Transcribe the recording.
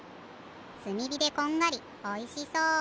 すみびでこんがりおいしそう。